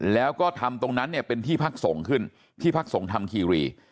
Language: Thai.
แล้วก็ทำตรงนั้นเนี่ยเป็นที่พักส่งขึ้นที่พักส่งธรรมคีรี